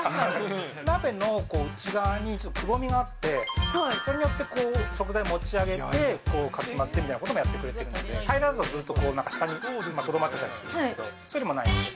鍋の内側にちょっとくぼみがあって、それによって食材を持ち上げて、かき混ぜてみたいなこともやってくれてるんで、平らだと、下にとどまっちゃったりするんですけど、そういうのもない。